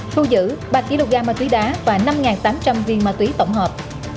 thu giữ ba kỷ lục ga ma túy đá và năm tám trăm linh viên ma túy tổng hợp